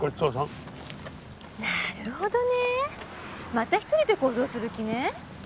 また１人で行動する気ね？